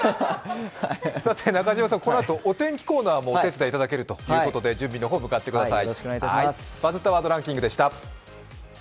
このあとお天気コーナーもお手伝いいただけるということで準備の方、向かってください。